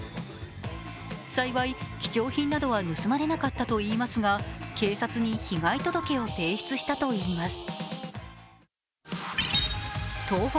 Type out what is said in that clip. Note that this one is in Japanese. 幸い貴重品などは盗まれなかったといいますが、警察に被害届を提出したといいます。